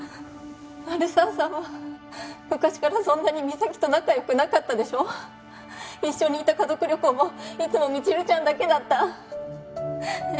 鳴沢さんは昔からそんなに実咲と仲良くなかったでしょ一緒に行った家族旅行もいつも未知留ちゃんだけだったねえ